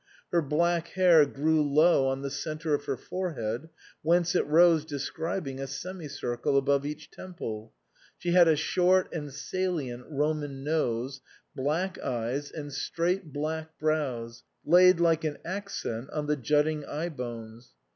Her black hair grew low on the centre of her forehead, whence it rose describing a semicircle above each temple ; she had a short and salient Roman nose, black eyes, and straight black brows laid like an accent on the jutting eyebones.